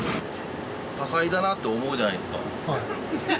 多才だなと思うじゃないですか。